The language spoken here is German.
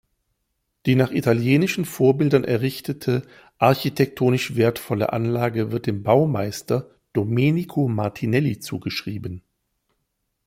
Die nach italienischen Vorbildern errichtete, architektonisch wertvolle Anlage wird dem Baumeister Domenico Martinelli zugeschrieben.